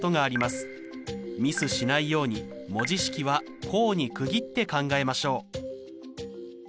ミスしないように文字式は項に区切って考えましょう。